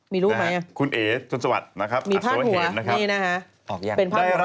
มีรูปไหมครับมีภาคหัวนี่นะครับเป็นภาคหัวรอง